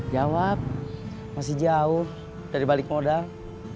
jawab masih jauh dari balik modal